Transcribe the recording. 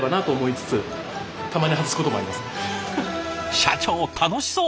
社長楽しそう！